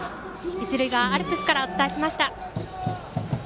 一塁側、アルプスからお伝えしました。